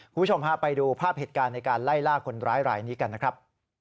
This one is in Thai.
คุณผู้ชมฮะไปดูภาพเหตุการณ์ในการไล่ล่าคนร้ายรายนี้กันนะครับ